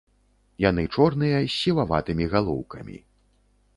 Яны чорныя з сіваватымі галоўкамі.